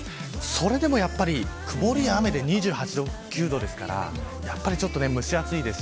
それでもやっぱり曇りや雨で２８度、２９度ですから蒸し暑いです。